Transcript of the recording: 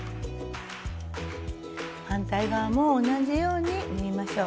反対側も同じように縫いましょう。